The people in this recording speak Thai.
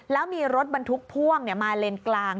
แล้วมีรถบรรทุกพ่วงมาเลนกลาง